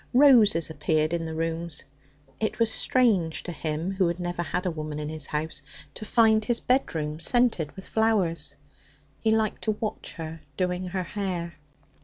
Roses appeared in the rooms; it was strange to him, who had never had a woman in his house, to find his bedroom scented with flowers. He liked to watch her doing her hair.